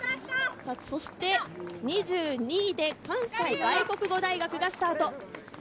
そして２２位で関西外国語大学がスタート。